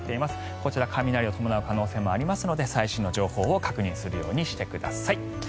こちら雷を伴う可能性もありますので最新の情報を確認するようにしてください。